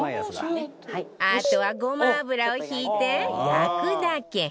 あとはごま油をひいて焼くだけ